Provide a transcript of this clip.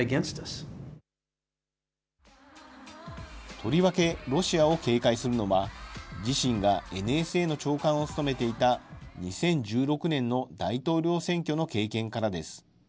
とりわけロシアを警戒するのは、自身がＮＳＡの長官を務めていた２０１６年の大統領選挙の経験からです。